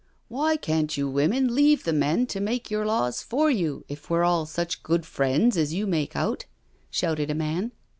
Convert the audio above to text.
" Why can't you women leave the men to make your laws for you if we're all such good friends as you make out?" shouted a inan.